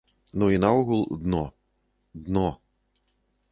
Ну і наогул, дно, дно.